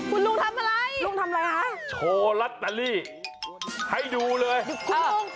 คุณลุงทำอะไรโชว์ลัตตาลีให้ดูเลยคุณลุง